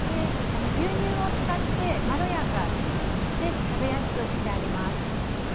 牛乳を使って、まろやかにして食べやすくしてあります。